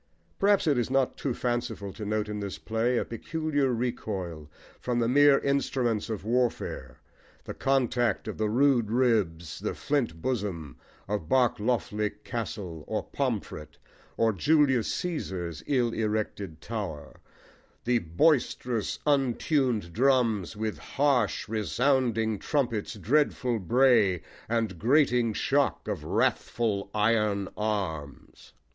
Perhaps it is not too fanciful to note in this play a peculiar recoil from the mere instruments of warfare, the contact of the "rude ribs," the "flint bosom," of Barkloughly Castle or Pomfret or Julius Caesar's ill erected tower: the Boisterous untun'd drums With harsh resounding trumpets' dreadful bray And grating shock of wrathful iron arms.